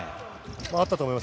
あったと思います。